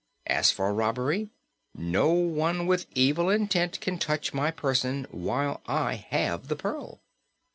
As for robbery, no one with evil intent can touch my person while I have the pearl."